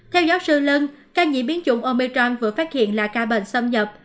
theo giáo sư lân ca nhiễm biến chủng omicron vừa phát hiện là ca bệnh xâm nhập